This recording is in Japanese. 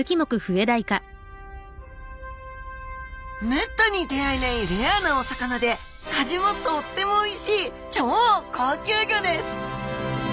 めったに出会えないレアなお魚で味もとってもおいしい超高級魚です